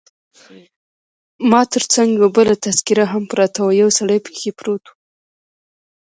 ما تر څنګ یو بله تذکیره هم پرته وه، یو سړی پکښې پروت وو.